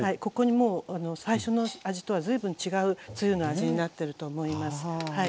もう最初の味とは随分違うつゆの味になっていると思います。